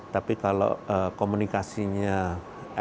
tapi kalau komunikasinya efektif bisa diterima oleh masyarakat luas